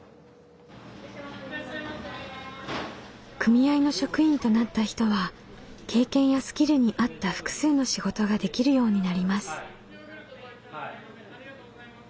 組合の職員となった人は経験やスキルに合った複数の仕事ができるようになります。